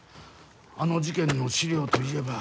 あの事件の資料といえば。